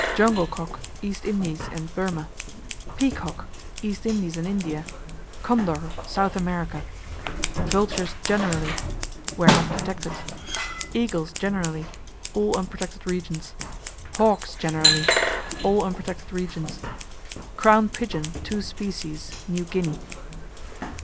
Jungle Cock East Indies and Burma. Peacock East Indies and India. Condor South America. Vultures, generally Where not protected. Eagles, generally All unprotected regions. Hawks, generally All unprotected regions. Crowned Pigeon, two species New Guinea.